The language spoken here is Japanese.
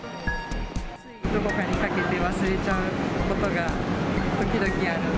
どこかにかけて忘れちゃうことが時々ある。